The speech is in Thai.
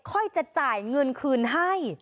ค่อยจะจ่ายเงินคืนให้